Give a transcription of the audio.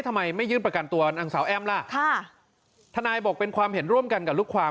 ทำไมไม่ยื่นประกันตัวนางสาวแอมล่ะค่ะทนายบอกเป็นความเห็นร่วมกันกับลูกความ